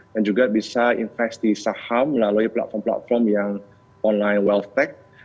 dan juga bisa investasi di saham melalui platform platform yang online wealth tech